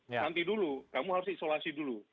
nanti dulu kamu harus isolasi dulu